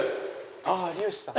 ああ有吉さん。